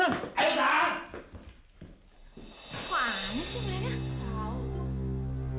kok aneh sih mereka